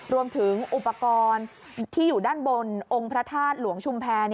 รวมถึงอุปกรณ์ที่อยู่ด้านบนองค์พระธาตุหลวงชุมแพร